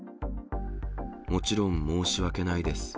もちろん申し訳ないです。